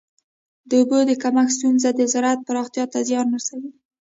د اوبو د کمښت ستونزه د زراعت پراختیا ته زیان رسوي.